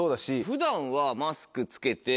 普段は。